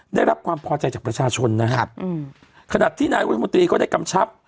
ได้รับความพอใจจากประชาชนนะครับอืมขณะที่นายรัฐมนตรีก็ได้กำชับ